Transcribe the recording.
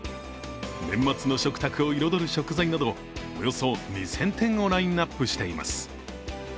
年末の食卓を彩る食材などおよそ２０００点をラインナップしています。